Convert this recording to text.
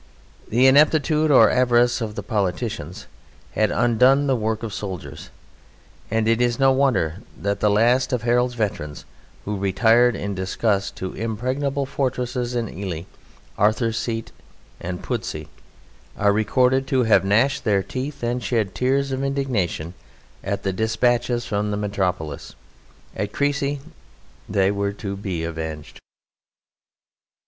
The ineptitude or avarice of politicians had undone the work of soldiers, and it is no wonder that the last of Harold's veterans, who retired in disgust to impregnable fortresses in Ely, Arthur's Seat, and Pudsey, are recorded to have gnashed their teeth and shed tears of indignation at the dispatches from the metropolis. At Crécy they were to be avenged.